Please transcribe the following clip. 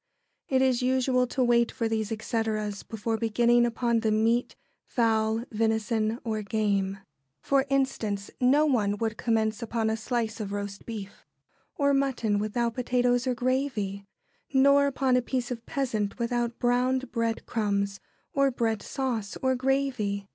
It is usual to wait for these etceteras before beginning upon the meat, fowl, venison, or game. For instance, no one would commence upon a slice of roast beef or mutton without potatoes or gravy, nor upon a piece of pheasant without browned bread crumbs, or bread sauce, or gravy.